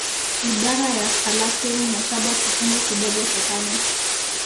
Ibara ya thalathini na saba kifungu kidogo cha tano